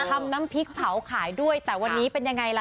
ทำน้ำพริกเผาขายด้วยแต่วันนี้เป็นยังไงล่ะ